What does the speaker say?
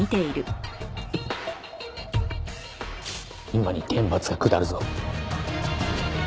今に天罰が下るぞ。